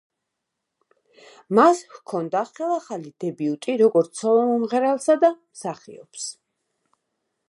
მას ჰქონდა ხელახალი დებიუტი როგორც სოლო მომღერალსა და მსახიობს.